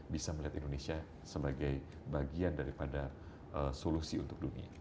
bisa melihat indonesia sebagai bagian daripada solusi untuk dunia